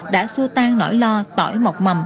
đã xua tan nỗi lo tỏi mọc mầm